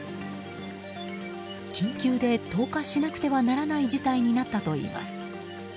緊急で投下しなくてはならない事態になったといいます。